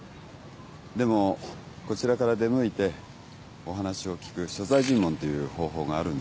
でもこちらから出向いてお話を聞く所在尋問という方法があるんです。